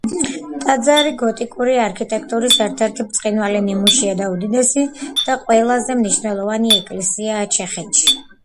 ტაძარი გოტიკური არქიტექტურის ერთ-ერთი ბრწყინვალე ნიმუშია და უდიდესი და ყველაზე მნიშვნელოვანი ეკლესიაა ჩეხეთში.